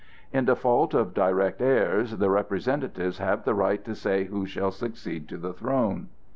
In default of direct heirs, the representatives have the right to say who shall succeed to the throne."